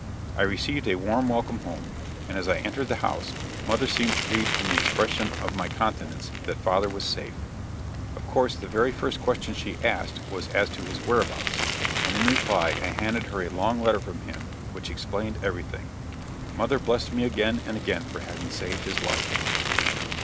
I received a warm welcome home, and as I entered the house, mother seemed to read from the expression of my countenance that father was safe; of course the very first question she asked was as to his whereabouts, and in reply I handed her a long letter from him which explained everything. Mother blessed me again and again for having saved his life.